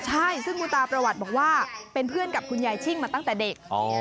ใช่ซึ่งคุณตาประวัติบอกว่าเป็นเพื่อนกับคุณยายชิ่งมาตั้งแต่เด็ก